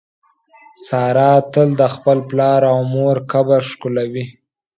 ساره تل د خپل پلار او مور قبر ښکلوي.